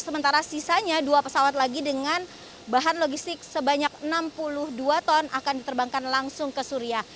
sementara sisanya dua pesawat lagi dengan bahan logistik sebanyak enam puluh dua ton akan diterbangkan langsung ke suria